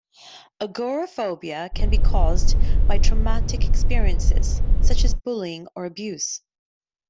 Agoraphobia can be caused by traumatic experiences, such as bullying or abuse.